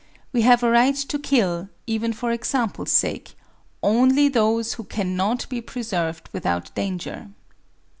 We have a right to kill, even for example's sake, only those who cannot be preserved without danger.